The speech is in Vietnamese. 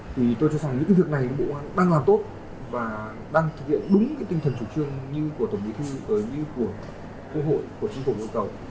thì tôi cho rằng những cái việc này bộ an đang làm tốt và đang thực hiện đúng cái tinh thần chủ trương như của tổng bí thư như của quốc hội của chính phủ yêu cầu